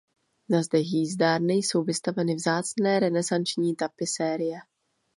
Na zdech jízdárny jsou vystaveny vzácné renesanční tapisérie.